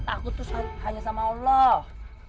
takut hanya sama allah